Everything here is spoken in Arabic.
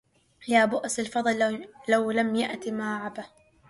يا بؤس للفضل لو لم يأت ما عابه